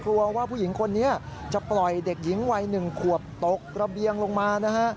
ว่าผู้หญิงคนนี้จะปล่อยเด็กหญิงวัย๑ขวบตกระเบียงลงมานะฮะ